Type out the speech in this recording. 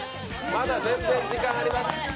まだ全然時間あります。